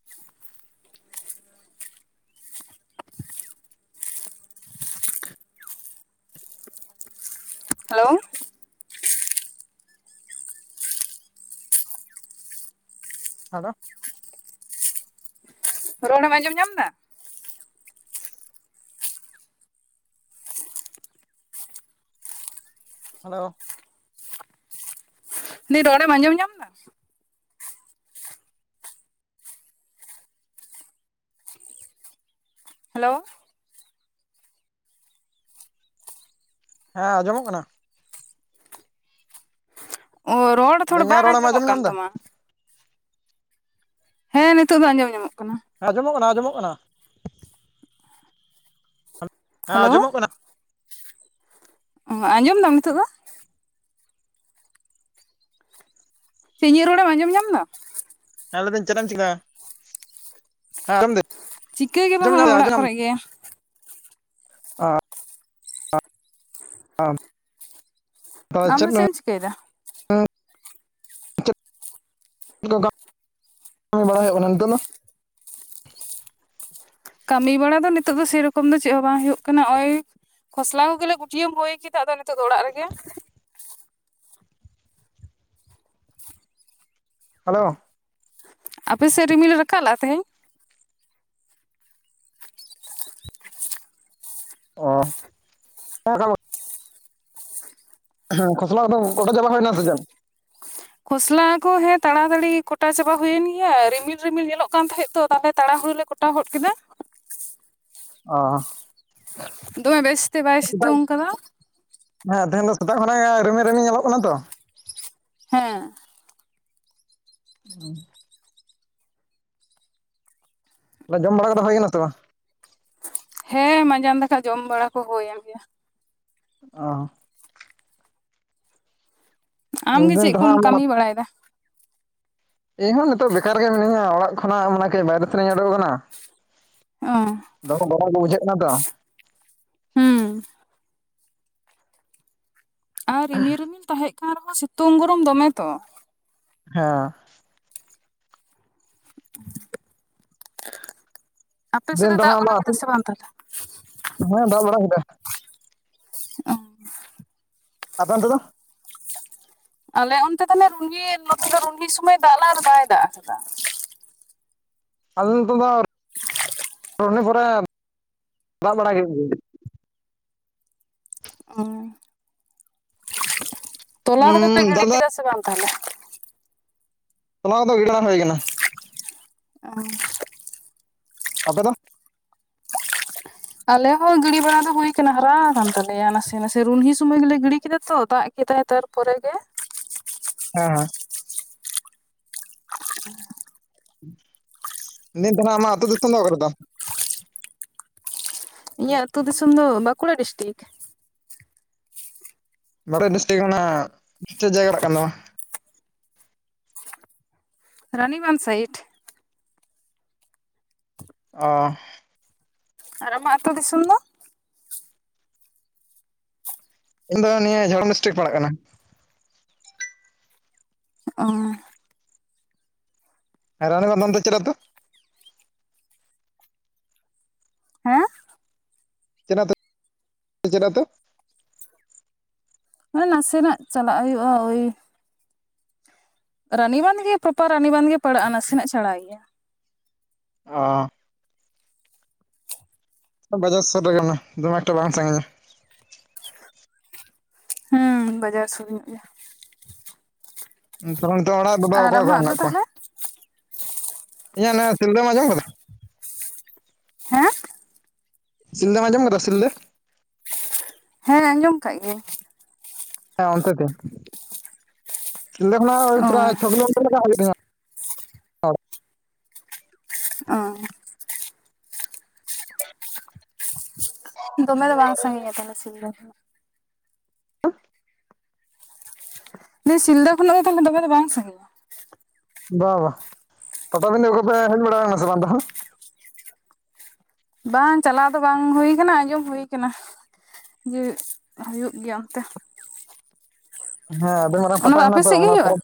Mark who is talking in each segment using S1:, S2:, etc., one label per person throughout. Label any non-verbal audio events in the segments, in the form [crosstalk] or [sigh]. S1: [inaudible] Hello.
S2: Hello.
S1: ᱨᱚᱲ ᱮᱢ ᱟᱸᱡᱚᱢ ᱧᱟᱢ ᱫᱟ?
S2: ᱦᱮᱞᱳ ᱾
S1: [unintelligible] ᱨᱚᱲᱮᱢ ᱟᱸᱡᱚᱢ ᱧᱟᱢ ᱫᱟ? ᱦᱮᱞᱳ ᱾
S2: ᱦᱮᱸ ᱟᱸᱡᱚᱢᱚᱜ ᱠᱟᱱᱟ ᱾
S1: ᱚ ᱨᱚᱲ
S2: ᱞᱟᱹᱭ
S1: ᱛᱷᱚᱲᱟ
S2: ᱤᱧᱟᱹᱜ
S1: ᱵᱟᱝ
S2: ᱨᱚᱲᱮᱢ
S1: ᱟᱸᱡᱚᱢᱚᱜ
S2: ᱟᱸᱡᱚᱢ
S1: ᱠᱟᱱ
S2: ᱧᱟᱢ ᱮᱫᱟ
S1: ᱛᱟᱢᱟ ᱾ ᱦᱮᱸ ᱱᱤᱛᱚᱜ ᱫᱚ ᱟᱸᱡᱚᱢ ᱧᱟᱢᱚᱜ ᱠᱟᱱᱟ ᱾
S2: ᱟᱸᱡᱚᱢᱚᱜ ᱠᱟᱱᱟ ᱟᱸᱡᱚᱢᱚᱜ ᱠᱟᱱᱟ ᱾ ᱦᱮᱸ
S1: ᱦᱮᱞᱳ
S2: ᱟᱸᱡᱚᱢᱚᱜ ᱠᱟᱱᱟ ᱾
S1: ᱚᱻ ᱟᱸᱡᱚᱢ ᱫᱟᱢ ᱱᱤᱛᱚᱜ ᱫᱚ? ᱪᱮ ᱤᱧᱟᱜ ᱨᱚᱲᱮᱢ ᱟᱸᱡᱚᱢ ᱧᱟᱢ ᱫᱟ?
S2: ᱦᱮᱸ ᱞᱟᱹᱭᱫᱟᱹᱧ ᱪᱮᱫ ᱮᱢ ᱪᱤᱠᱟ ᱫᱟ? ᱦᱮᱸ ᱟᱡᱚᱢ ᱫᱤᱧ ᱾
S1: ᱪᱤᱠᱟᱹ ᱜᱮ ᱵᱟᱝ ᱦᱚᱜᱼᱚᱭ ᱚᱲᱟᱜ ᱠᱚᱨᱮ ᱜᱮ ᱾
S2: ᱚ ᱾ ᱪᱮᱫ [inaudible] [inaudible]
S1: ᱟᱢ ᱫᱚ ᱪᱮᱫ ᱮᱢ ᱪᱤᱠᱟᱹᱭᱮᱫᱟ
S2: ᱠᱟᱹᱢᱤ ᱵᱟᱲᱟᱭ ᱦᱩᱭᱩᱜ ᱠᱟᱱᱟ ᱱᱤᱛᱳ ᱫᱚ?
S1: ᱠᱟᱹᱢᱤ ᱵᱟᱲᱟ ᱫᱚ ᱱᱤᱛᱚᱜ ᱫᱚ ᱥᱮᱨᱚᱠᱚᱢ ᱫᱚ ᱪᱮᱫ ᱦᱚᱸ ᱵᱟᱝ ᱦᱳᱭᱳᱜ ᱠᱟᱱᱟ ᱱᱚᱜ-ᱚᱭ ᱠᱷᱚᱥᱞᱟ ᱠᱚᱜᱮᱞᱮ ᱜᱩᱴᱤᱭᱟᱹᱢ ᱨᱦᱳᱭ ᱠᱮᱫᱟ ᱟᱫᱚ ᱱᱤᱛᱚᱜ ᱫᱚ ᱚᱲᱟᱜ ᱨᱮᱜᱮ ᱾
S2: ᱦᱮᱞᱳ ᱾
S1: ᱟᱯᱮ ᱥᱮᱫ ᱨᱤᱢᱤᱞ ᱮ ᱨᱟᱠᱟᱵ ᱞᱟᱜᱼᱟ ᱛᱮᱦᱤᱧ?
S2: ᱚ [inaudible] ᱦᱮᱸ ᱠᱷᱚᱥᱞᱟ ᱠᱚᱫᱚ ᱠᱚᱴᱟ ᱪᱟᱵᱟ ᱦᱩᱭᱱᱟ ᱥᱮ ᱪᱮᱫ?
S1: ᱠᱷᱚᱥᱞᱟ ᱠᱚ ᱦᱮᱸ ᱛᱟᱲᱟᱛᱟᱲᱤ ᱠᱚᱴᱟ ᱪᱟᱵᱟ ᱦᱩᱭᱮᱱ ᱜᱮᱭᱟ ᱨᱤᱢᱤᱞ ᱨᱤᱢᱤᱞ ᱧᱮᱞᱚᱜ ᱠᱟᱱ ᱛᱟᱦᱮᱸᱫ ᱛᱚ ᱛᱟᱦᱞᱮ ᱛᱟᱲᱟ ᱦᱩᱲᱩ ᱞᱮ ᱠᱚᱴᱟ ᱦᱚᱫ ᱠᱮᱫᱟ ᱾
S2: ᱚ ᱾
S1: ᱫᱚᱢᱮ ᱵᱮᱥ ᱛᱮ ᱵᱟᱭ ᱥᱤᱛᱩᱝ ᱟᱠᱟᱫᱟ ᱾
S2: ᱦᱮᱸ ᱛᱮᱦᱮᱧ ᱫᱚ ᱥᱮᱛᱟᱜ ᱠᱷᱚᱱᱟᱜ ᱜᱮ ᱨᱤᱢᱤᱞ ᱨᱤᱢᱤᱞ ᱧᱮᱞᱚᱜ ᱠᱟᱱᱟ ᱛᱚ ᱾
S1: ᱦᱮᱸ ᱾
S2: ᱚ ᱾ ᱛᱟᱦᱞᱮ ᱡᱚᱢ ᱵᱟᱲᱟ ᱠᱟᱫᱚ ᱦᱩᱭ ᱠᱟᱱᱟ ᱥᱮ ᱵᱟᱝ?
S1: ᱦᱮᱸ ᱢᱟᱸᱡᱟᱱ ᱫᱟᱠᱟ ᱡᱚᱢ ᱵᱟᱲᱟ ᱠᱚ ᱦᱩᱭᱮᱱ ᱜᱮᱭᱟ ᱾
S2: ᱚ ᱾
S1: ᱟᱢ ᱜᱮ
S2: ᱢᱮᱱᱫᱟᱹᱧ
S1: ᱪᱮᱫ ᱠᱚᱢ
S2: ᱛᱟᱦᱚᱞᱮ
S1: ᱠᱟᱹᱢᱤ ᱵᱟᱲᱟᱭ ᱮᱫᱟ?
S2: ᱤᱧ ᱦᱚᱸ ᱱᱤᱛᱚᱜ ᱵᱮᱠᱟᱨ ᱜᱮ ᱢᱤᱹᱧᱟ ᱚᱲᱟᱜ ᱠᱷᱚᱱᱟᱜ ᱢᱟᱱᱮ ᱠᱟᱹᱡ ᱵᱟᱭᱨᱮ ᱥᱮᱱᱤᱧ ᱩᱰᱳᱜ ᱟᱠᱟᱱᱟ ᱾
S1: ᱚ
S2: ᱫᱚᱢᱮ ᱜᱚᱨᱚᱢ ᱜᱮ ᱵᱩᱡᱷᱟᱹᱜ ᱠᱟᱱᱟ ᱛᱚ?
S1: ᱦᱩᱸ᱾ ᱟᱨ ᱨᱤᱢᱤᱞ ᱨᱤᱢᱤᱞ ᱛᱟᱦᱮᱸ ᱠᱟᱱ ᱨᱮᱦᱚᱸ ᱥᱤᱛᱩᱝ ᱜᱚᱨᱚᱢ ᱫᱚᱢᱮ ᱛᱚ᱾
S2: [unintelligible]
S1: ᱟᱯᱮ ᱥᱮᱫ
S2: ᱫᱤᱱ
S1: ᱮ
S2: ᱫᱚ ᱱᱟᱜ
S1: ᱫᱟᱜ
S2: ᱚᱱᱟ
S1: ᱵᱟᱲᱟ ᱠᱮᱫᱟ ᱥᱮ ᱵᱟᱝ ᱛᱟᱦᱚᱞᱮ
S2: ᱦᱮᱸ ᱫᱟᱜ ᱵᱟᱲᱟ ᱠᱮᱫᱟ ᱟᱯᱮ ᱚᱱᱛᱮ ᱫᱚ ᱾
S1: ᱟᱞᱮ ᱚᱱᱛᱮ ᱛᱟᱞᱮ ᱨᱩᱱᱦᱤ ᱱᱚᱛᱮ ᱫᱚ ᱨᱩᱱᱦᱤ ᱥᱚᱢᱚᱭ ᱫᱟᱜ ᱞᱮᱜᱟ ᱟᱫᱚ ᱵᱟᱭ ᱫᱟᱜ ᱟᱠᱟᱫᱟ᱾
S2: ᱟᱞᱮ ᱱᱚᱛᱮ ᱫᱚ [unintelligible] ᱯᱚᱨᱮ ᱫᱟᱜ ᱵᱟᱲᱟ ᱠᱮᱫ ᱜᱮᱭᱟᱭ
S1: ᱚ, ᱛᱚᱞᱟ ᱠᱚᱫᱚ ᱯᱮ
S2: ᱫᱟᱜ
S1: ᱜᱤᱰᱤ
S2: ᱫᱚ
S1: ᱠᱮᱫᱟ ᱥᱮ ᱵᱟᱝ ᱛᱟᱦᱚᱞᱮ?
S2: ᱛᱚᱞᱟ ᱠᱚᱫᱚ ᱜᱤᱰᱤ ᱵᱟᱝ ᱦᱩᱭ ᱠᱟᱱᱟ ᱾
S1: ᱟᱸ᱾
S2: ᱟᱯᱮ ᱫᱚ?
S1: ᱟᱞᱮ ᱦᱚᱸ ᱜᱤᱲᱤ ᱵᱟᱲᱟ ᱫᱚ ᱦᱩᱭ ᱠᱟᱱᱟ ᱦᱟᱨᱟ ᱟᱠᱟᱱ ᱛᱟᱞᱮᱭᱟ ᱱᱟᱥᱮ ᱱᱟᱥᱮ ᱨᱩᱱᱦᱤ ᱥᱚᱢᱚᱭ ᱜᱮᱞᱮ ᱜᱤᱰᱤ ᱠᱮᱫᱟ ᱛᱚ ᱫᱟᱜᱼᱼ ᱦᱮᱛᱟᱨ ᱦᱮᱛᱟᱨ ᱯᱚᱨᱮ ᱜᱮ ᱾
S2: ᱦᱮᱸ
S1: [inaudible]
S2: ᱱᱤᱛ ᱫᱚ ᱱᱟᱦᱟᱜ ᱟᱢᱟᱜ ᱟᱹᱛᱩ ᱫᱤᱥᱚᱢ ᱫᱚ ᱚᱠᱟ ᱨᱮ ᱛᱟᱢᱼᱼ
S1: ᱤᱧᱟᱹᱜ ᱟᱹᱛᱩ ᱫᱤᱥᱚᱢ ᱫᱚ ᱵᱟᱸᱠᱩᱲᱟ ᱰᱤᱥᱴᱤᱠᱼᱼ
S2: ᱵᱟᱸᱠᱩᱲᱟ ᱰᱤᱥᱴᱤᱠ ᱨᱮᱱᱟᱜ ᱪᱤᱫ ᱡᱟᱭᱜᱟ ᱯᱟᱲᱟᱜ‌ ᱠᱟᱱ ᱛᱟᱢᱟ?
S1: ᱨᱟᱱᱤᱵᱟᱸᱱ ᱥᱟᱭᱤᱴ ᱾
S2: ᱚ
S1: ᱟᱨ ᱟᱢᱟᱜ ᱟᱹᱛᱩ ᱫᱤᱥᱚᱢ ᱫᱚ?
S2: ᱤᱧ ᱫᱚ ᱱᱤᱭᱟᱹ ᱡᱷᱟᱲᱜᱮᱨᱟᱢ ᱰᱤᱥᱴᱤᱠ ᱯᱟᱲᱟᱜ ᱠᱟᱱᱟ᱾
S1: ᱚᱸᱻ
S2: ᱨᱟᱱᱤᱵᱟᱱ ᱚᱱᱛᱮ ᱪᱮᱫ ᱟᱹᱛᱩ?
S1: ᱦᱮᱸ
S2: ᱪᱮᱫ ᱟᱹᱛᱩ ᱪᱮᱫ ᱟᱹᱛᱩ?
S1: ᱢᱟᱱᱮ ᱱᱟᱥᱮᱱᱟᱜ ᱪᱟᱞᱟᱜ ᱦᱩᱭᱩᱜ-ᱟ ᱳᱭ ᱨᱟᱱᱤᱵᱟᱱ ᱜᱮ ᱯᱨᱚᱯᱟᱨ ᱨᱟᱱᱤᱵᱟᱱ ᱜᱮ ᱯᱟᱲᱟᱜ-ᱟ ᱱᱟᱥᱮᱱᱟᱜ ᱪᱷᱟᱲᱟ ᱜᱮᱭᱟ ᱾
S2: ᱦᱚᱸ ᱵᱟᱡᱟᱨ ᱥᱚᱴ ᱟᱠᱟᱱᱟ ᱫᱚᱢᱮ ᱮᱠᱴᱟ ᱵᱟᱝ ᱥᱟᱺᱜᱤᱧᱟ ᱾
S1: ᱦᱩᱸ ᱵᱟᱡᱟᱨ ᱥᱩᱨ ᱧᱚᱜ ᱜᱮᱭᱟ ᱾
S2: ᱛᱟᱦᱟᱞᱮ ᱱᱤᱛᱚᱜ ᱫᱚ ᱚᱲᱟᱜ ᱨᱮ ᱫᱚ ᱚᱠᱚᱭ ᱚᱠᱚᱭ ᱢᱮᱱᱟᱜ ᱠᱚᱣᱟ? ᱤᱭᱟᱹ ᱱᱚᱣᱟ ᱛᱩᱞᱜᱟᱹ ᱟᱸᱡᱚᱢ ᱠᱟᱫᱟ?
S1: ᱦᱮᱸ
S2: ᱥᱤᱞᱫᱟᱹᱢ ᱟᱸᱡᱚᱢ ᱟᱠᱟᱫᱟ ᱥᱤᱞᱫᱟᱹᱼᱼ
S1: ᱦᱮᱸ ᱟᱸᱡᱚᱢ ᱠᱟᱜ ᱜᱤᱭᱤᱧ
S2: ᱦᱮᱸ ᱚᱱᱛᱮ ᱛᱤᱧ ᱥᱤᱞᱫᱟᱹ ᱠᱷᱚᱱᱟᱜ
S1: ᱚ
S2: ᱯᱮᱨᱟᱭ ᱪᱷᱚ ᱠᱤᱞᱳ ᱢᱤᱴᱟᱨ ᱦᱳᱭᱳᱜ ᱛᱤᱧᱟ
S1: ᱚ ᱫᱚᱢᱮ ᱫᱚ ᱵᱟᱝ ᱥᱟᱺᱜᱤᱧᱟ ᱛᱟᱦᱚᱞᱮ ᱥᱤᱞᱫᱟᱹ ᱠᱷᱚᱱᱟᱜ ᱾ ᱞᱟᱹᱭ ᱫᱤᱧ ᱥᱤᱞᱫᱟᱹ ᱠᱷᱚᱱᱟᱜ ᱫᱚ ᱫᱚᱢᱮ ᱫᱚ ᱵᱟᱝ ᱥᱟᱹᱜᱤᱧᱟ ᱾
S2: ᱵᱟ ᱵᱟ ᱯᱟᱴᱟᱵᱤᱫᱟᱹ ᱠᱚ ᱯᱮ ᱦᱮᱡ ᱵᱟᱲᱟ ᱠᱟᱱᱟ ᱥᱮ ᱵᱟᱝ ᱛᱟᱦᱟᱞᱮᱼᱼ
S1: ᱵᱟᱝ ᱪᱟᱞᱟᱣ ᱫᱚ ᱵᱟᱝ ᱦᱩᱭ ᱠᱟᱱᱟ ᱟᱸᱡᱚᱢ ᱦᱩᱭ ᱠᱟᱱᱟ ᱾ ᱡᱮ ᱦᱩᱭᱩᱜ ᱜᱮᱭᱟ ᱚᱱᱛᱮᱼᱼ
S2: ᱦᱮᱸ ᱟᱰᱤ ᱢᱟᱨᱟᱝ
S1: ᱚᱱᱟ
S2: ᱯᱟᱛᱟ
S1: ᱟᱯᱮ
S2: ᱦᱮᱱᱟᱜ ᱫᱚ
S1: ᱥᱮᱫ ᱜᱮ
S2: ᱚᱱᱟ
S1: ᱦᱩᱭᱩᱜᱼᱟ
S2: ᱯᱚᱨᱮ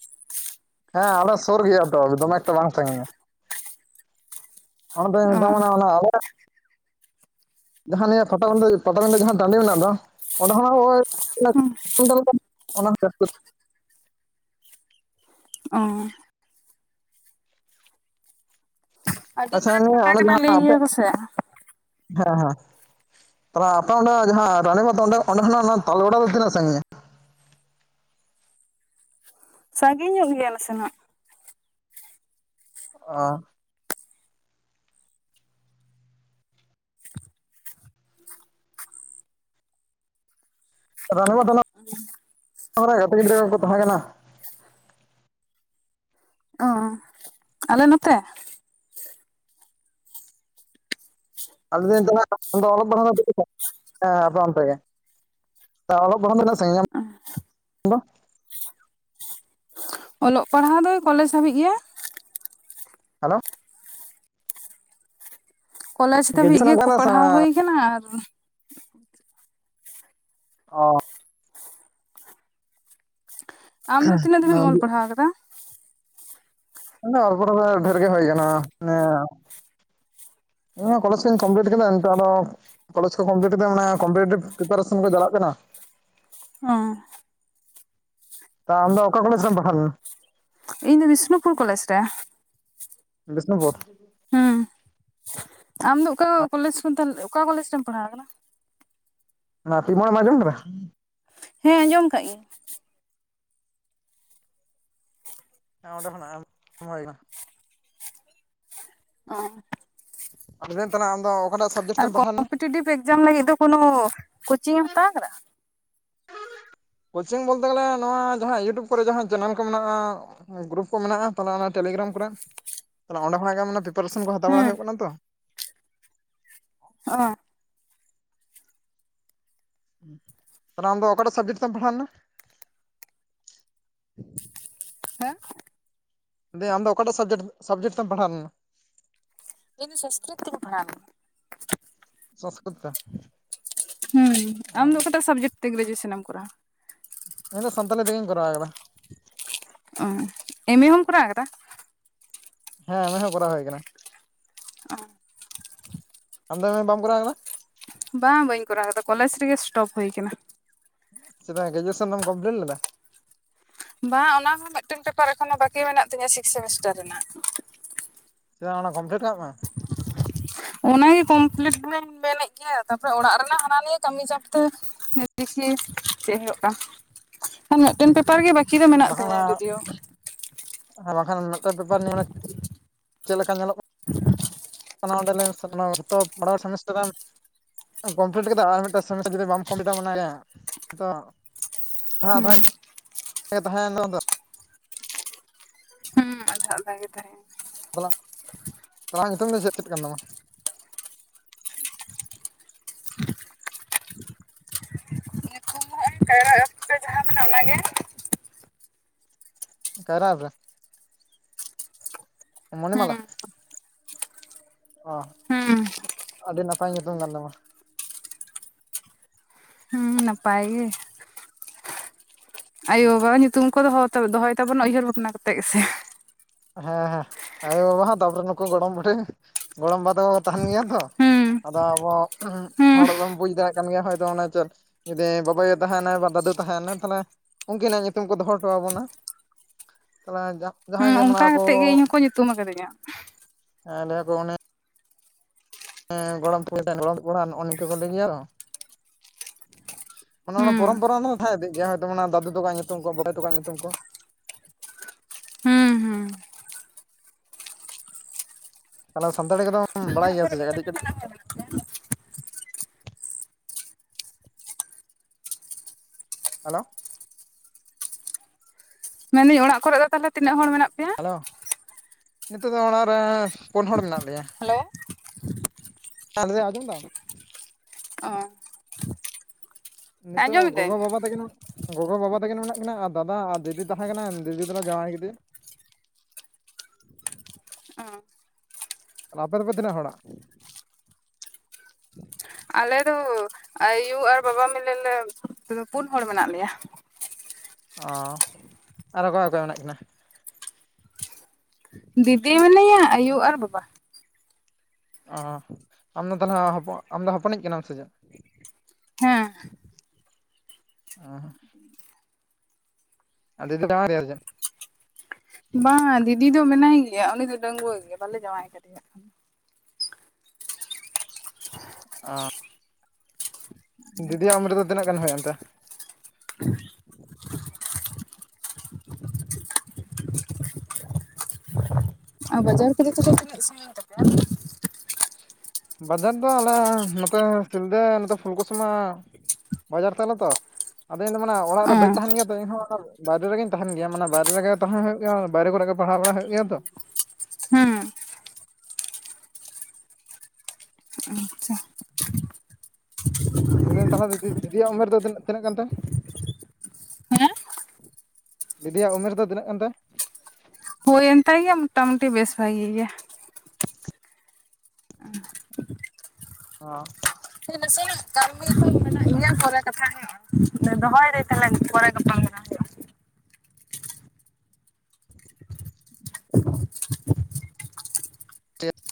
S2: ᱦᱮᱸ ᱟᱞᱮ ᱥᱩᱨ ᱜᱮᱭᱟ ᱛᱚ ᱫᱚᱢᱮ ᱮᱠᱴᱟ ᱵᱟᱝ ᱥᱟᱺᱜᱤᱧᱟ ᱚᱱᱮ ᱛᱮᱸᱧ
S1: ᱚ
S2: ᱢᱮᱛᱟᱢ ᱠᱟᱱᱟ ᱚᱱᱮ ᱟᱞᱮ ᱡᱟᱦᱟᱸ ᱱᱤᱭᱟᱹ ᱯᱟᱛᱟ ᱵᱤᱸᱫᱟᱹ ᱯᱟᱛᱟᱵᱤᱸᱫᱟᱹ ᱡᱟᱦᱟᱸ ᱴᱟᱺᱰᱤ ᱢᱮᱱᱟᱜ ᱫᱚ ᱚᱸᱰᱮ ᱠᱷᱚᱱᱟᱜ ᱳᱭ [unintelligible]
S1: ᱚᱸ ᱾ ᱟᱹᱰᱤ
S2: ᱟᱪᱪᱷᱟ
S1: ᱢᱟᱨᱟᱝ
S2: ᱚᱱᱮ,
S1: ᱯᱟᱛᱟ
S2: ᱚᱱᱮ
S1: ᱠᱟᱱᱟ
S2: ᱡᱟᱦᱟᱸ
S1: ᱞᱟᱹᱭ
S2: ᱟᱯᱮ,
S1: ᱜᱮᱭᱟ ᱠᱚ ᱥᱮ
S2: ᱦᱮᱸ ᱦᱮᱸ ᱾ ᱛᱟᱦᱚᱞᱮ ᱟᱯᱮ ᱚᱸᱰᱮ ᱡᱟᱦᱟᱸ ᱨᱟᱱᱤᱵᱟᱱᱫ ᱚᱸᱰᱮ ᱚᱸᱰᱮ ᱠᱷᱚᱱᱟᱜ ᱚᱱᱟ ᱛᱟᱞᱵᱮᱲᱟ ᱫᱚ ᱛᱤᱱᱟᱜ ᱥᱟᱺᱜᱤᱧᱟ?
S1: ᱥᱟᱺᱜᱤᱧ ᱧᱚᱜ ᱜᱮᱭᱟ ᱱᱟᱥᱮᱱᱟᱜ ᱾
S2: ᱚ ᱾ ᱨᱟᱱᱤᱵᱟᱱᱫ ᱚᱱᱟ ᱨᱮ ᱜᱟᱛᱮ ᱜᱤᱫᱽᱨᱟᱹ ᱠᱚᱠᱚ ᱛᱟᱦᱮᱸ ᱠᱟᱱᱟ ᱾
S1: ᱚ ᱾ ᱟᱞᱮ ᱱᱚᱛᱮ?
S2: ᱟᱨ ᱞᱟᱹᱭ ᱫᱟᱹᱧ ᱛᱟᱦᱞᱮ [unintelligible] ᱫᱚ ᱚᱞᱚᱜ ᱯᱟᱲᱷᱟᱣ ᱫᱚ, [unintelligible] ᱦᱮᱸ ᱟᱯᱮ ᱚᱱᱛᱮ ᱜᱮ ᱾ ᱚᱞᱚᱜ ᱯᱟᱲᱦᱟᱣ ᱫᱚ ᱛᱤᱱᱟᱹᱜ ᱥᱟᱺᱜᱤᱧ ᱟᱢ ᱫᱚ?
S1: ᱚᱞᱚᱜ ᱯᱟᱲᱦᱟᱣ ᱫᱚ ᱠᱚᱞᱮᱡᱽ ᱦᱟᱹᱵᱤᱡ ᱜᱮ ᱾
S2: ᱦᱮᱞᱳ ᱾
S1: ᱠᱚᱞᱮᱡᱽ ᱫᱷᱟᱹᱵᱤᱡ
S2: ᱜᱨᱮᱡᱩᱭᱮᱥᱚᱱ ᱮᱢ
S1: ᱜᱮᱠᱚ
S2: ᱠᱟᱫᱟ ᱥᱮ
S1: ᱯᱟᱲᱦᱟᱣ ᱦᱩᱭ ᱟᱠᱟᱱᱟ ᱟᱨ
S2: ᱚ ᱾
S1: ᱟᱢ ᱫᱚ ᱛᱤᱱᱟᱹᱜ ᱫᱷᱟᱵᱤᱢ ᱚᱞ ᱯᱟᱲᱦᱟᱣ ᱟᱠᱟᱫᱟ?
S2: ᱢᱟᱱᱮ ᱚᱞ ᱯᱟᱲᱦᱟᱣ ᱫᱚ ᱰᱷᱮᱨ ᱜᱮ ᱦᱩᱭ ᱠᱟᱱᱟ ᱢᱟᱱᱮ ᱤᱧ ᱦᱚᱸ ᱠᱚᱞᱮᱡᱽ ᱠᱚᱧ ᱠᱚᱢᱯᱞᱤᱴ ᱠᱮᱫᱟ ᱱᱤᱛᱚᱜ ᱟᱫᱚ ᱠᱚᱞᱮᱡᱽ ᱠᱚ ᱠᱚᱢᱯᱞᱤᱴ ᱠᱟᱛᱮ ᱢᱟᱱᱮ ᱠᱚᱢᱯᱤᱴᱮᱴᱤᱵᱷ ᱯᱨᱤᱯᱟᱨᱮᱥᱚᱱ ᱠᱚ ᱪᱟᱞᱟᱜ ᱠᱟᱱᱟ ᱾
S1: ᱚᱸ ᱾
S2: ᱛᱟ ᱟᱢᱫᱚ ᱚᱠᱟ ᱠᱚᱞᱮᱡᱽ ᱨᱮᱢ ᱯᱟᱲᱦᱟᱣ ᱞᱮᱱᱟ?
S1: ᱤᱧ ᱫᱚ ᱵᱤᱥᱱᱩᱯᱩᱨ ᱠᱚᱞᱮᱡᱽ ᱨᱮ ᱾
S2: ᱵᱤᱥᱱᱩᱯᱩᱨ?
S1: ᱦᱮᱸ, ᱟᱢ ᱫᱚ ᱚᱠᱟ ᱠᱚᱞᱮᱡᱽ ᱠᱷᱚᱱ ᱛᱟᱦᱞᱮ ᱚᱠᱟ ᱠᱚᱞᱮᱡᱽ ᱨᱮᱢ ᱯᱟᱲᱦᱟᱣ ᱟᱠᱟᱱᱟ?
S2: ᱚᱱᱟ ᱯᱤ ᱢᱳᱲ ᱮᱢ ᱟᱸᱡᱚᱢ ᱠᱟᱫᱟ?
S1: ᱦᱮᱸ ᱟᱸᱡᱚᱢ ᱠᱟᱜ ᱜᱤᱭᱟᱹᱧ ᱾
S2: ᱦᱮᱸ ᱚᱸᱰᱮ ᱠᱷᱚᱱᱟᱜ ᱮᱢ ᱦᱩᱭ ᱠᱟᱱᱟ ᱾
S1: ᱚ ᱾
S2: ᱞᱟᱹᱭ ᱫᱟᱹᱧ ᱛᱟᱦᱞᱮ ᱟᱢ ᱫᱚ ᱚᱠᱟᱴᱟᱜ ᱥᱟᱵᱡᱮᱠᱴ ᱛᱮᱢ ᱯᱟᱲᱦᱟᱣ ᱞᱮᱱᱟ?
S1: ᱴᱤᱴᱤᱵᱷ ᱮᱠᱡᱟᱢ ᱞᱟᱹᱜᱤᱫ ᱫᱚ ᱠᱳᱱᱳ ᱠᱳᱪᱤᱝ ᱮᱢ ᱦᱟᱛᱟᱣ ᱠᱟᱫᱟ?
S2: ᱠᱳᱪᱤᱝ ᱵᱚᱞᱛᱮ ᱜᱮᱞᱮ ᱱᱚᱣᱟ ᱡᱟᱦᱟᱸ ᱤᱭᱩᱴᱩᱵᱽ ᱠᱚᱨᱮ ᱡᱟᱦᱟᱸ ᱪᱮᱱᱮᱞ ᱠᱚ ᱢᱮᱱᱟᱜᱼᱟ ᱜᱨᱩᱯ ᱠᱚ ᱢᱮᱱᱟᱜᱼᱟ, ᱛᱟᱦᱚᱞᱮ ᱚᱱᱟ ᱴᱮᱞᱤᱜᱨᱟᱢ ᱠᱚᱨᱮ ᱛᱟᱦᱚᱞᱮ ᱚᱸᱰᱮ ᱠᱷᱚᱱᱟᱜ ᱜᱮ ᱢᱟᱱᱮ ᱯᱨᱤᱯᱟᱨᱮᱥᱚᱱ ᱠᱚ ᱦᱟᱛᱟᱣ ᱵᱟᱲᱟ
S1: ᱦᱮᱸ
S2: ᱦᱩᱭᱩᱜ ᱠᱟᱱᱟ ᱛᱚ ᱾
S1: ᱚᱸᱣᱟ [unintelligible]
S2: ᱛᱟᱦᱞᱮ ᱟᱢ ᱫᱚ ᱚᱠᱟᱴᱟᱜ ᱥᱟᱵᱡᱮᱠᱴ ᱛᱮᱢ ᱯᱟᱲᱦᱟᱣ ᱞᱮᱱᱟ?
S1: ᱦᱮᱸ
S2: ᱞᱟᱹᱭ ᱫᱟᱹᱧ ᱟᱢ ᱫᱚ ᱚᱠᱟᱴᱟᱜ ᱥᱟᱵᱡᱮᱠᱴ ᱥᱟᱵᱡᱮᱠᱴ ᱛᱮ ᱯᱟᱲᱦᱟᱣ ᱞᱮᱱᱟ?
S1: ᱤᱧ ᱫᱚ ᱥᱚᱥᱠᱨᱤᱛ ᱛᱤᱧ ᱯᱟᱲᱦᱟᱣ ᱞᱮᱱᱟ ᱾
S2: ᱥᱚᱸᱥᱠᱨᱤᱛ [unintelligible]
S1: ᱦᱩᱸ ᱟᱢᱫᱚ ᱚᱠᱟᱴᱟᱜ ᱥᱟᱵᱡᱮᱠᱴ ᱛᱮ ᱜᱨᱮᱡᱩᱣᱮᱥᱚᱱ ᱮᱢ ᱠᱚᱨᱟᱣᱟ?
S2: ᱤᱧᱫᱚ ᱥᱟᱱᱛᱟᱞᱤ ᱛᱮᱜᱮᱧ ᱠᱚᱨᱟᱣ ᱠᱟᱫᱟ᱾
S1: ᱚ ᱮᱢ ᱮ ᱦᱚᱢ ᱠᱚᱨᱟᱣ ᱠᱟᱫᱟ?
S2: ᱦᱮᱸ ᱮᱢ ᱮ ᱦᱚᱸ ᱠᱚᱨᱟᱣ ᱦᱩᱭ ᱠᱟᱱᱟ᱾
S1: ᱟᱸ
S2: ᱟᱢ ᱫᱚ ᱮᱢ ᱮ ᱵᱟᱢ ᱠᱚᱨᱟᱣ ᱠᱟᱫᱟ?
S1: ᱵᱟᱝ ᱵᱟᱹᱧ ᱠᱚᱨᱟᱣ ᱠᱟᱫᱟ ᱠᱚᱞᱮᱡᱽ ᱨᱮᱜᱮ ᱥᱴᱚᱯ ᱦᱩᱭ ᱠᱟᱱᱟ᱾
S2: ᱪᱮᱫᱟᱜ ᱜᱨᱮᱡᱩᱣᱮᱥᱚᱱ ᱵᱟᱢ ᱠᱚᱢᱯᱞᱤᱴ ᱞᱮᱫᱟ?
S1: ᱵᱟᱝ ᱚᱱᱟ ᱦᱚᱸ ᱢᱤᱫᱴᱮᱱ ᱯᱮᱯᱟᱨ ᱮᱠᱷᱚᱱᱳ ᱵᱟᱠᱤ ᱢᱮᱱᱟᱜ ᱛᱤᱧᱟ ᱥᱤᱠᱥ ᱥᱮᱢᱤᱥᱴᱟᱨ ᱨᱮᱱᱟᱜ
S2: ᱪᱮᱫᱟᱜ ᱚᱱᱟ ᱠᱚᱢᱯᱞᱤᱴ ᱟᱢ ᱦᱟᱜ?
S1: ᱚᱱᱟᱜᱮ ᱠᱚᱢᱯᱞᱤᱴ ᱫᱚᱧ ᱢᱮᱱᱮᱫ ᱜᱮᱭᱟ ᱛᱟᱯᱚᱨᱮ ᱚᱲᱟᱜ ᱨᱮᱱᱟᱜ ᱦᱟᱱᱟ ᱱᱤᱭᱟᱹ ᱠᱟᱹᱢᱤ ᱪᱟᱯᱛᱮ ᱫᱤᱠᱷᱤ ᱪᱮᱫ ᱦᱩᱭᱩᱜ ᱠᱟᱱ?
S2: [inaudible]
S1: ᱟᱨ ᱢᱤᱫᱴᱮᱱ ᱯᱮᱯᱟᱨ ᱜᱮ ᱠ
S2: ᱵᱟᱝᱠᱷᱟᱱ, ᱵᱟᱝᱠᱷᱟᱱ ᱢᱤᱫᱴᱮᱱ ᱯᱮᱯᱟᱨ ᱱᱮ ᱪᱮᱫ ᱞᱮᱠᱟ ᱧᱮᱞᱚᱜ
S1: [unintelligible]
S2: ᱚᱱᱟ [unintelligible] ᱥᱤᱢᱮᱥᱴᱟᱨ ᱮᱢ ᱠᱚᱢᱯᱞᱤᱴ ᱠᱮᱫᱟᱢ ᱟᱨ ᱢᱤᱫᱴᱟᱝ ᱥᱮᱢᱤᱥᱴᱟᱨ ᱡᱩᱫᱤ ᱵᱟᱢ ᱠᱚᱢᱯᱞᱤᱴᱟ ᱢᱮᱱᱟᱭᱟ ᱛᱚ ᱦ ᱛᱟᱦᱮᱸ [unintelligible]
S1: ᱦᱩᱸ ᱟᱫᱷᱟ ᱜᱮ ᱛᱟᱦᱮᱸ [unintelligible]
S2: [unintelligible] ᱧᱩᱛᱩᱢ ᱫᱚ ᱪᱮᱫ ᱪᱮᱫ ᱠᱟᱱ ᱛᱟᱢᱟ? [unintelligible]
S1: ᱧᱩᱛᱩᱢ [inaudible] ᱡᱟᱦᱟᱸ ᱢᱮᱱᱟᱜᱼᱟ ᱚᱱᱟᱜᱮ᱾
S2: ᱠᱟᱭᱨᱟ ᱮᱵ ᱨᱮ ᱾ ᱢᱚᱱᱤ
S1: ᱦᱩᱸ
S2: ᱢᱟᱞᱟ᱾ ᱚ,
S1: ᱦᱩᱸ
S2: ᱟᱹᱰᱤ ᱱᱟᱯᱟᱭ ᱧᱩᱛᱩᱢ ᱠᱟᱱ ᱛᱟᱢᱟ᱾
S1: ᱦᱩᱸ ᱱᱟᱯᱟᱭ ᱜᱮ ᱾ ᱟᱭᱳᱼᱵᱟᱵᱟ ᱧᱩᱛᱩᱢ ᱠᱚ ᱫᱚ ᱫᱚᱦᱚᱭ ᱛᱟᱵᱚᱱᱟ ᱩᱭᱦᱟᱹᱨ ᱵᱷᱟᱵᱽᱱᱟ ᱠᱟᱛᱮᱫ ᱜᱮᱥᱮ᱾
S2: ᱦᱮᱸ ᱦᱮᱸ ᱟᱭᱳ ᱵᱟᱵᱟ ᱦᱚᱸ ᱛᱟᱯᱚᱨᱮ ᱱᱩᱠᱩ ᱜᱚᱲᱚᱢ ᱯᱩᱴᱷᱤ ᱜᱚᱲᱚᱢ ᱵᱟ ᱛᱟᱠᱚ ᱠᱚ ᱛᱟᱦᱮᱱ ᱜᱮᱭᱟ ᱛᱚ᱾
S1: ᱦᱩᱸ
S2: ᱟᱫᱚ ᱟᱵᱚ
S1: ᱦᱩᱸ
S2: ᱦᱚᱲ ᱫᱚᱢ ᱵᱩᱡ ᱫᱟᱲᱮᱭᱟᱜ ᱠᱟᱱ ᱜᱮᱭᱟ ᱦᱚᱭᱛᱚ ᱚᱱᱮ ᱪᱮᱫ ᱡᱩᱫᱤ ᱵᱟᱵᱟᱭᱳ ᱛᱟᱦᱮᱱᱟᱭ ᱵᱟ ᱫᱟᱫᱩ ᱛᱟᱦᱮᱱᱟᱭ ᱛᱟᱦᱚᱞᱮ ᱩᱱᱠᱤᱱᱟᱜ ᱧᱩᱛᱩᱢ ᱠᱚ ᱫᱚᱦᱚ ᱦᱚᱴᱚ ᱟᱵᱚᱱᱟ᱾ [unintelligible] ᱡᱟᱦᱟᱸᱭ
S1: ᱦᱩᱸ
S2: ᱜᱮ
S1: ᱚᱱᱠᱟ
S2: ᱢᱟᱱᱮ ᱠᱚ
S1: ᱠᱟᱛᱮᱜ ᱜᱮ ᱤᱧ ᱦᱚᱸᱠᱚ ᱧᱩᱛᱩᱢ ᱟᱠᱟᱫᱤᱧᱟ᱾
S2: ᱮᱸ ᱞᱟᱹᱭ ᱟᱠᱚ ᱚᱱᱮ ᱦᱮᱸ ᱜᱚᱲᱚᱢ ᱯᱲᱦᱤ ᱜᱚᱲᱚᱢ ᱠᱚᱲᱟ ᱱᱚᱜᱼᱚ ᱱᱤᱝᱠᱟ ᱠᱚ ᱞᱟᱹᱭ ᱜᱮᱭᱟ ᱛᱚ ᱚᱱᱟ ᱚᱱᱟ ᱯᱚᱨᱚᱢ
S1: ᱦᱩᱸ
S2: ᱯᱚᱨᱟ ᱫᱚ ᱛᱟᱦᱮᱸ ᱤᱫᱤᱜ ᱜᱮᱭᱟ ᱫᱟᱫᱩ ᱛᱟᱠᱣᱟᱜ ᱧᱩᱛᱩᱢ ᱠᱚ ᱵᱟᱹᱭᱳ ᱛᱟᱠᱚᱣᱟᱜ ᱧᱩᱛᱩᱢ ᱠᱚ᱾
S1: ᱦᱩᱸ ᱦᱩᱸ
S2: ᱛᱟᱦᱚᱞᱮ ᱥᱟᱱᱛᱟᱲᱤ ᱠᱚᱫᱚᱢ
S1: ᱚᱲᱟᱜ ᱠᱚᱨᱮ ᱫᱚ ᱛᱟᱦᱚᱞᱮ ᱛᱤᱱᱟᱹᱜ ᱦᱚᱲ ᱢᱮᱱᱟᱜ
S2: ᱵᱟᱲᱟᱭ ᱜᱮᱭᱟ ᱥᱮ ᱪᱮᱫ ᱠᱟᱹᱴᱤᱡ ᱠᱟᱹᱴᱤᱡ?
S1: ᱯᱮᱭᱟ?
S2: ᱦᱮᱞᱳ
S1: ᱢᱮᱱᱫᱤᱧ ᱚᱲᱟᱜ ᱠᱚᱨᱮ ᱫᱚ ᱛᱟᱦᱚᱞᱮ ᱛᱤᱱᱟᱹᱜ ᱦᱚᱲ ᱢᱮᱱᱟᱜ ᱯᱮᱭᱟ?
S2: ᱦᱮᱞᱳ, ᱱᱤᱛᱚᱜ ᱫᱚ ᱚᱲᱟᱜ ᱨᱮ ᱯᱩᱱ ᱦᱚᱲ ᱢᱮᱱᱟᱜ ᱞᱮᱭᱟ᱾
S1: ᱦᱮᱞᱳ
S2: ᱟᱡᱚᱢᱫᱟᱢ?
S1: ᱚ ᱦᱮᱸ
S2: ᱱᱤᱛᱚᱜ
S1: ᱟᱸᱡᱚᱢᱤᱫᱟᱹᱧ
S2: ᱜᱚᱜᱚ-ᱵᱟᱵᱟ ᱛᱟᱹᱠᱤᱱ ᱜᱚᱜᱚ ᱵᱟᱵᱟ ᱛᱟᱹᱠᱤᱱ ᱢᱮᱱᱟᱜ ᱠᱤᱱᱟ ᱟᱨ ᱫᱟᱫᱟ ᱟᱨ ᱫᱤᱫᱤ ᱛᱟᱦᱮᱸ ᱠᱟᱱᱟᱭ ᱫᱤᱫᱤ ᱫᱚᱞᱮ ᱡᱟᱶᱟᱭ ᱠᱮᱫᱮᱭᱟ᱾
S1: ᱚ
S2: ᱟᱯᱮ ᱫᱚᱯᱮ ᱛᱤᱱᱟᱹᱜ ᱦᱳᱱᱟ?
S1: ᱟᱞᱮ ᱫᱚ ᱟᱭᱩ ᱟᱨ ᱵᱟᱵᱟ ᱢᱤᱞᱮ ᱞᱮ ᱯᱩᱱ ᱦᱚᱲ ᱢᱮᱱᱟᱜ ᱞᱮᱭᱟ᱾
S2: ᱚ ᱟᱨᱚ ᱚᱠᱚᱭ ᱚᱠᱚᱭ ᱢᱮᱱᱟᱜ ᱠᱤᱱᱟ?
S1: ᱫᱤᱫᱤ ᱢᱮᱱᱟᱭᱟ ᱟᱭᱩ ᱟᱨ ᱵᱟᱵᱟ᱾
S2: ᱚ ᱟᱢᱫᱚ ᱛᱟᱦᱚᱞᱮ ᱦᱚᱯᱚ ᱟᱢ ᱫᱚ ᱦᱚᱯᱚᱱᱤᱡ ᱠᱟᱱᱟᱢ ᱥᱮ ᱪᱮᱫ?
S1: ᱦᱮᱸ
S2: ᱚ ᱦ [unintelligible]
S1: ᱵᱟᱝᱼᱟ ᱫᱤᱫᱤ ᱫᱚ ᱢᱮᱱᱟᱭ ᱜᱮᱭᱟ ᱩᱱᱤ ᱫᱚ ᱰᱟᱺᱩᱣᱟᱹ ᱜᱮᱭᱟ ᱵᱟᱞᱮ ᱡᱟᱶᱟᱭ ᱠᱟᱫᱮᱭᱟ ᱾
S2: ᱫᱤᱫᱤᱭᱟᱜ ᱩᱢᱟᱹᱨ ᱫᱚ ᱛᱤᱱᱟᱹᱜ ᱜᱟᱱ ᱦᱩᱭᱮᱱ ᱛᱮ?
S1: ᱟᱨ ᱵᱟᱡᱟᱨ ᱠᱚ ᱛᱚᱵᱮ ᱛᱤᱱᱟᱹᱜ ᱥᱺᱜᱤᱧ ᱛᱟᱯᱮᱭᱟ?
S2: ᱵᱟᱡᱟᱨ ᱫᱚ ᱟᱞᱮ ᱱᱚᱛᱮ ᱥᱤᱞᱫᱟᱹ ᱱᱚᱛᱮ ᱯᱷᱩᱞᱠᱩᱥᱢᱟ ᱵᱟᱡᱟᱨ ᱛᱞᱮ ᱛᱚ ᱾ ᱟᱫᱚ ᱤᱧ ᱫᱚ ᱢᱟᱱᱮ ᱚᱲᱟᱜ ᱨᱮ
S1: ᱚᱸ
S2: ᱵᱟᱹᱧ ᱛᱟᱦᱮᱱ ᱜᱮᱭᱟ ᱛ ᱤᱧᱦᱚᱸ ᱚᱱᱟ ᱵᱟᱭᱨᱮ ᱨᱮᱜᱮᱧ ᱛᱟᱦᱮᱱ ᱜᱮᱭᱟ ᱢᱟᱱᱮ ᱵᱟᱭᱨᱮ ᱨᱮᱜᱮ ᱛᱟᱦᱮ ᱦᱩᱭᱩᱜ ᱜᱮᱭᱟ ᱵᱟᱭᱨᱮ ᱠᱚᱨᱮᱜᱮ ᱯᱟᱲᱦᱟᱣ ᱵᱟᱲᱟᱜ ᱦᱩᱭᱩᱜ ᱜᱮᱭᱟ ᱛᱚ ᱾
S1: ᱦᱮᱸ
S2: ᱢᱮᱱ ᱛᱟᱦᱚᱞᱮ ᱫᱤᱫᱤ ᱫᱤᱫᱤᱭ ᱩᱢᱮᱨ ᱫᱚ ᱛᱤᱱᱟᱹᱜ ᱜᱟᱱ ᱛᱟᱭ? ᱫᱤᱫᱤᱭᱟᱜ ᱩᱢᱮᱨ ᱫᱚ ᱛᱤᱱᱟᱹᱜ ᱠᱟᱱ ᱛᱟᱭ?
S1: ᱦᱩᱭᱮᱱ ᱛᱟᱭ ᱜᱮᱭᱟ ᱢᱚᱴᱟ ᱢᱩᱴᱤ ᱵᱮᱥ ᱵᱷᱟᱜᱮ ᱜᱮ ᱾
S2: [unintelligible] ᱦᱸ
S1: ᱤᱧᱟᱹᱜ ᱠᱟᱹᱢᱤ ᱠᱚ ᱢᱮᱱᱟᱜ ᱜᱮᱭᱟ ᱯᱚᱨᱮ ᱠᱟᱛᱷᱟ ᱠᱟᱛᱷᱟᱧ ᱦᱩᱭᱩᱜᱼᱟ, ᱫᱚᱦᱚᱭ ᱫᱟᱹᱧ ᱛᱟᱦᱞᱮ ᱯᱚᱨᱮ ᱜᱟᱯᱟᱞᱢᱼᱼ
S2: ᱪᱮᱫ?